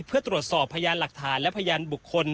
เพื่อตรวจสอบพยานหลักฐานและพยานบุคคล